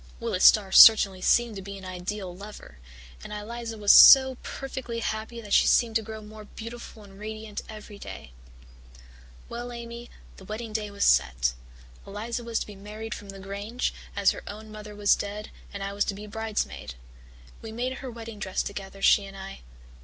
"Willis Starr certainly seemed to be an ideal lover, and Eliza was so perfectly happy that she seemed to grow more beautiful and radiant every day. "Well, Amy, the wedding day was set. Eliza was to be married from the Grange, as her own mother was dead, and I was to be bridesmaid. We made her wedding dress together, she and I.